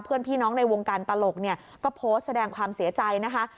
เพื่อนพี่น้องในวงการตลกเนี่ยก็โพสต์แสดงความเสียใจนะคะ